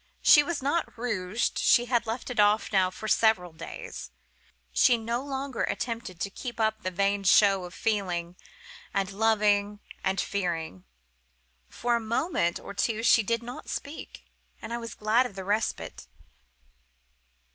She was not rouged,—she had left it off now for several days,—she no longer attempted to keep up the vain show of not feeling, and loving, and fearing. "For a moment or two she did not speak, and I was glad of the respite.